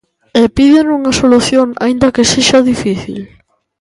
E piden unha solución aínda que sexa difícil.